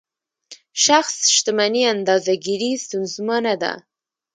شخص شتمني اندازه ګیري ستونزمنه ده.